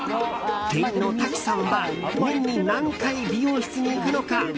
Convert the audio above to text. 店員のタキさんは年に何回、美容室に行くのか。